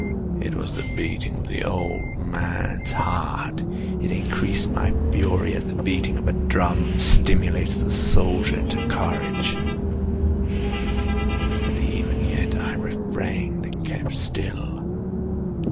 It was the beating of the old man's heart. It increased my fury, as the beating of a drum stimulates the soldier into courage. But even yet I refrained and kept still.